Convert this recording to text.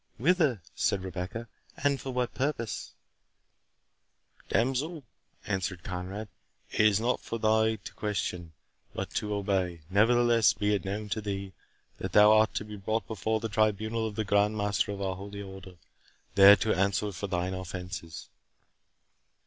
"Whither," said Rebecca, "and for what purpose?" "Damsel," answered Conrade, "it is not for thee to question, but to obey. Nevertheless, be it known to thee, that thou art to be brought before the tribunal of the Grand Master of our holy Order, there to answer for thine offences."